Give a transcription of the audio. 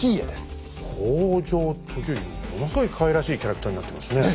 ものすごいかわいらしいキャラクターになってますね。